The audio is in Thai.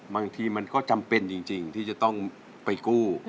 บางทีมันก็จำเป็นจริงที่จะต้องไปกู้